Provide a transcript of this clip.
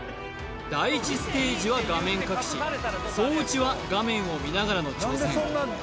第１ステージは画面隠し双打は画面を見ながらの挑戦